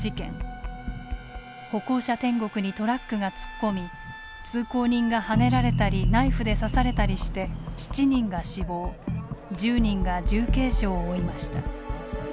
歩行者天国にトラックが突っ込み通行人がはねられたりナイフで刺されたりして７人が死亡１０人が重軽傷を負いました。